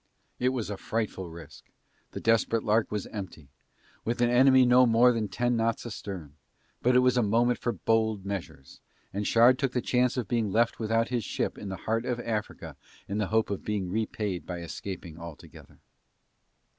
It was a frightful risk, the Desperate Lark was empty, with an enemy no more than ten knots astern, but it was a moment for bold measures and Shard took the chance of being left without his ship in the heart of Africa in the hope of being repaid by escaping altogether.